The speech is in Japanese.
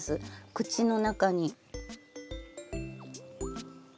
口の中に。